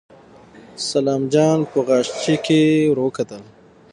سلام جان په غاښچيچي ور وکتل.